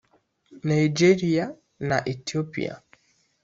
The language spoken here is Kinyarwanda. Nigeria na Ethiopia